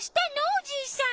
おじいさん。